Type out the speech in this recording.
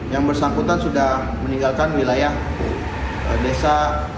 yang bersangkutan sudah meninggalkan wilayah desa